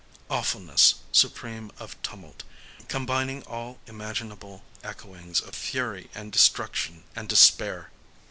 Awfulness supreme of tumult,—combining all imaginable echoings of fury and destruction and despair!